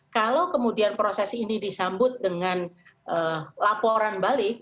kalau kemudian proses ini disambut dengan laporan balik